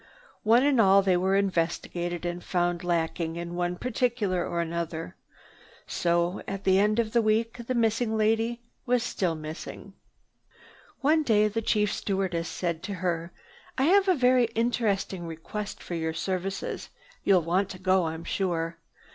One and all were investigated and found lacking in one particular or another. So, at the end of a week the missing lady was still missing. One day the chief stewardess said to her, "I have a very interesting request for your services. You'll want to go, I'm sure.